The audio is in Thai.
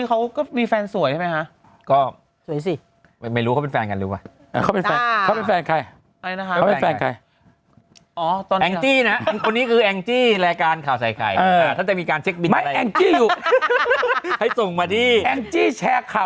ไอ้โซโพกราศีอะไรค่ะ